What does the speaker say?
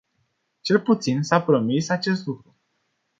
Cel puțin s-a promis acest lucru.